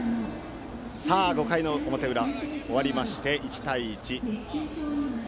さあ、５回の表裏終わりまして１対１の同点。